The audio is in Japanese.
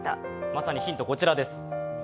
まさにヒント、こちらです。